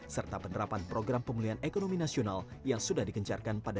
serta penerapan program pemulihan ekonomi nasional yang sudah dikencarkan pada dua ribu dua puluh